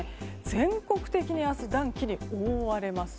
全国的に明日暖気に覆われます。